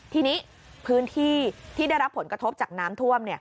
ทีนี้พื้นที่ที่ได้รับผลกระทบจากน้ำท่วม